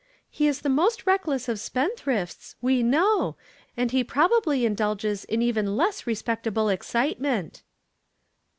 "He is the most reckless of spend thrifts, we know, and he probably indulges in even less respectable excitement."